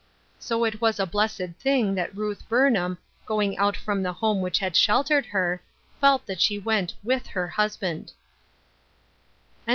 So it was a blessed thing that Ruth Burnham, going out from the home which had sheltered her, felt that she went with her husband.